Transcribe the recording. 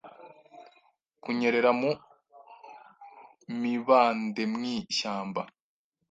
Kunyerera mu mibandemwishyamba